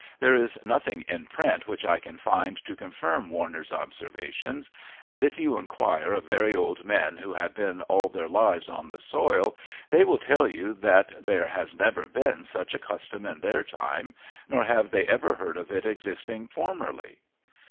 There is nothing in print which I can find to confirm Warner's observations, and if you inquire of very old men who have been all their lives on the soil they will tell you that there has never been such a custom in their time, nor have they ever heard of it as existing formerly.